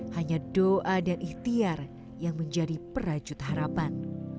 hanya doa dan ikhtiar yang menjadi perajut harapan